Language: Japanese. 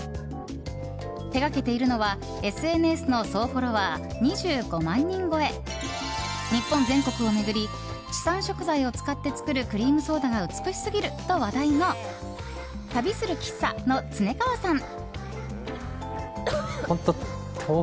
手がけているのは、ＳＮＳの総フォロワー２５万人超え日本全国を巡り地産食材を使って作るクリームソーダが美しすぎると話題の旅する喫茶のｔｓｕｎｅｋａｗａさん。